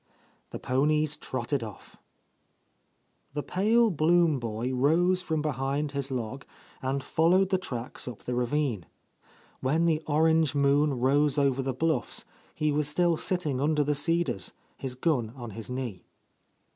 The ponies trotted off. The pale Blum boy rose from behind his log and followed the tracks up the ravine. When the orange moon rose over the bluffs, he was still sitting under the cedars, his gun on his knee.